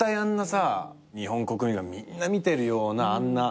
日本国民がみんな見てるようなあんな大舞台で。